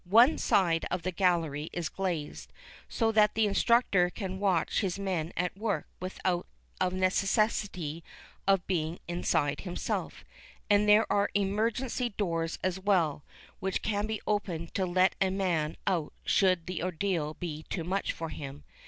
One side of the gallery is glazed, so that the instructor can watch his men at work without of necessity being inside himself, and there are emergency doors as well, which can be opened to let a man out should the ordeal be too much for him.